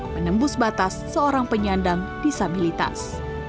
menembus batas seorang penyandang disabilitas